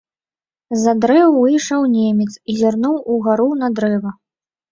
З-за дрэў выйшаў немец і зірнуў угару на дрэва.